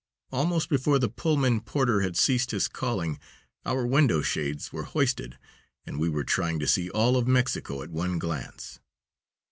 Almost before the Pullman porter had ceased his calling, our window shades were hoisted and we were trying to see all of Mexico at one glance.